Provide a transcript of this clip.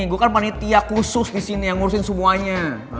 minggu kan panitia khusus di sini yang ngurusin semuanya